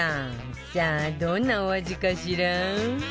さあどんなお味かしら？